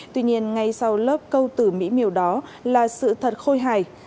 tuy nhiên ngay sau lớp câu tử mỹ miều đó là sự thật khôi hài